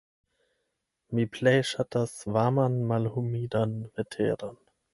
Mi plej ŝatas varman malhumidan veteron.